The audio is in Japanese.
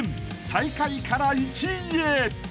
［最下位から１位へ］